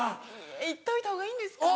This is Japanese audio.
行っといたほうがいいんですかね。